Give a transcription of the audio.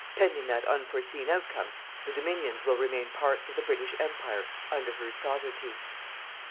Pending that unforeseen outcome, the Dominions will remain parts of the British Empire under her Sovereignty.